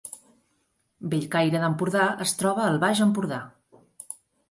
Bellcaire d’Empordà es troba al Baix Empordà